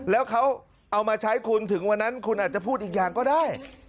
แล้วเขาเอามาใช้คุณถึงวันนั้นคุณอาจจะพูดอีกอย่างก็ได้